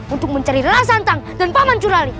untuk mencari rasantang dan pak man curali